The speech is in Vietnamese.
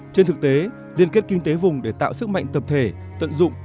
trên thực tế liên kết kinh tế vùng để tạo sức mạnh tập thể tận dụng